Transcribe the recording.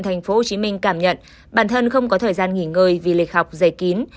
tp hcm cảm nhận bản thân không có thời gian nghỉ ngơi vì lịch học dày kín